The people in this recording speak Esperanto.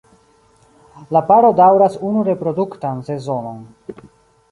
La paro daŭras unu reproduktan sezonon.